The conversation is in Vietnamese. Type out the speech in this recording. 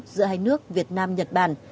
giữa hai nước việt nam nhật bản